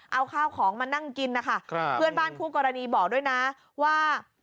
เอาข้าวของมานั่งกินนะคะเพื่อนบ้านคู่กรณีบอกด้วยนะว่า